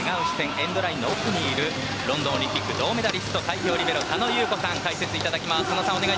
エンドラインの奥にいるロンドンオリンピック銅メダリスト最強リベロ、佐野優子さんです。